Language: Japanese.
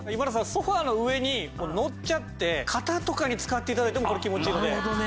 ソファの上にのっちゃって肩とかに使って頂いてもこれ気持ちいいので。